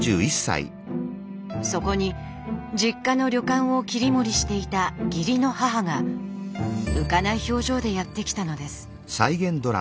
そこに実家の旅館を切り盛りしていた義理の母が浮かない表情でやって来たのです。